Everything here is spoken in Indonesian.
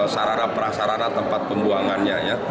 sarana prasarana tempat pembuangannya ya